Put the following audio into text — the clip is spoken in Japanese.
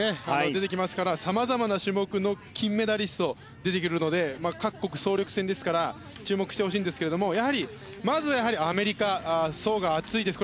出てきますから様々な種目の金メダリストが出てきますので各国総力戦ですから注目してほしいんですけどやはりまずはアメリカ層が厚いです。